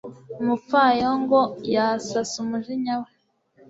umupfayongo yasasa umujinya we